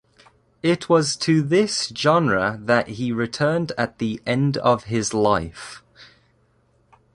It was to this genre that he returned at the end of his life.